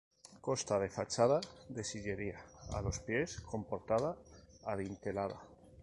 Consta de fachada de sillería a los pies con portada adintelada.